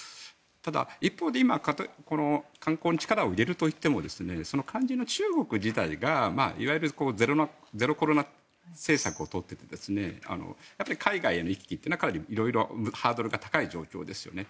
ただ、一方で今観光に力を入れるといっても肝心の中国自体がいわゆるゼロコロナ政策を取っていて海外への行き来ってかなりハードルが高い状況ですよね。